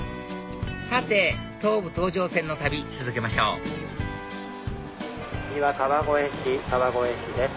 さて東武東上線の旅続けましょう次は川越市川越市です。